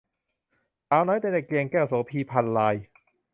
สาวน้อยในตะเกียงแก้ว - โสภี พรรณราย